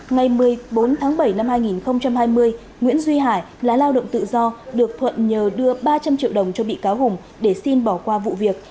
ngày một mươi bốn tháng bảy năm hai nghìn hai mươi nguyễn duy hải lái lao động tự do được thuận nhờ đưa ba trăm linh triệu đồng cho bị cáo hùng để xin bỏ qua vụ việc